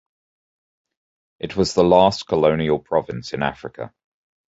It was the last colonial province in Africa.